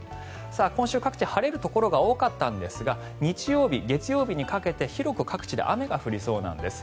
今週、各地晴れるところが多かったんですが日曜日、月曜日にかけて広く各地で雨が降りそうなんです。